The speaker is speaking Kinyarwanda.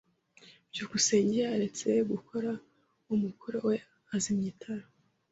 byukusenge yaretse gukora umukoro we azimya itara.